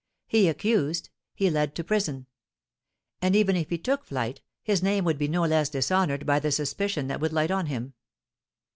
He accused! He led to prison! And, even if he took flight, his name would be no less dishonoured by the suspicion that would light on him.